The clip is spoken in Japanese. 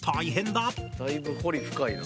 だいぶ彫り深いな。